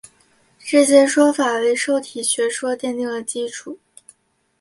这些说法为受体学说奠定了基础。